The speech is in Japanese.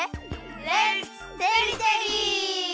レッツテリテリ！